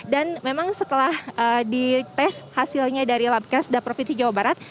dan memang setelah dites hasilnya dari labkes da provinsi jawa barat